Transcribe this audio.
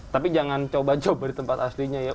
tapi jangan coba coba di tempat aslinya ya